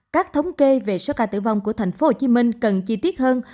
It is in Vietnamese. các thống kê về số ca tử vong của tp hcm cần chi tiết hơn